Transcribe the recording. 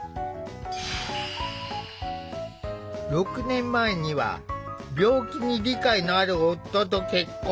６年前には病気に理解のある夫と結婚。